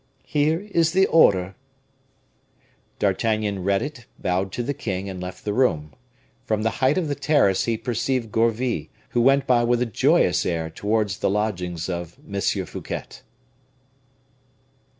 "Here is the order." D'Artagnan read it, bowed to the king, and left the room. From the height of the terrace he perceived Gourville, who went by with a joyous air towards the lodgings of M. Fouquet.